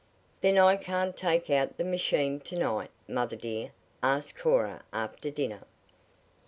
"Then I can't take out the machine to night, mother dear?" asked Cora after dinner.